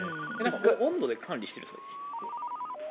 温度で管理しているんですか？